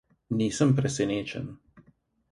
Nisem presenečen.